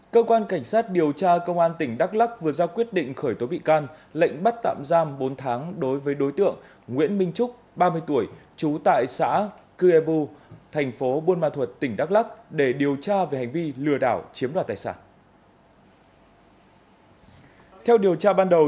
cơ quan cảnh sát điều tra công an tỉnh đắk lắc vừa ra quyết định khởi tố bị can lệnh bắt tạm giam bốn tháng đối với đối tượng nguyễn minh trúc ba mươi tuổi trú tại xã cư e bu thành phố buôn ma thuật tỉnh đắk lắc để điều tra về hành vi lừa đảo chiếm đoạt tài sản